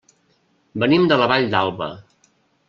Venim de la Vall d'Alba.